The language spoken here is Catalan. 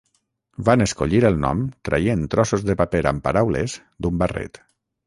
Van escollir el nom traient trossos de paper amb paraules d'un barret.